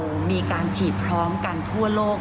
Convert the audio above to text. ก็คือเป็นการสร้างภูมิต้านทานหมู่ทั่วโลกด้วยค่ะ